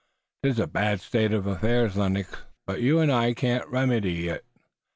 'Tis a bad state of affairs, Lennox, but you and I can't remedy it.